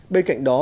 bên cạnh đó